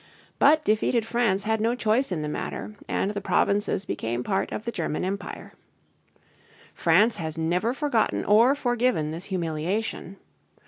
But defeated France had no choice in the matter, and the provinces became part of the German Empire. France has never forgotten or forgiven this humiliation.